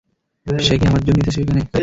সে কি আমাদের জন্য এসেছে এখানে?